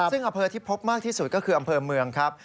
ซึ่งอำเภอที่พบมากที่สุดก็คืออำเภอเมืองครับ